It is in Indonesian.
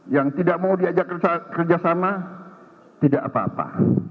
yang tidak mau diajak kerjasama tidak apa apa